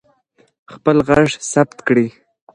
خپل غږ ثبت کړئ.